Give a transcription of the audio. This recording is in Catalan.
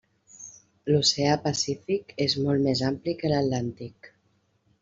L'oceà Pacífic és molt més ampli que l'Atlàntic.